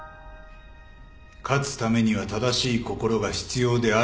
勝つためには正しい心が必要であるということだ。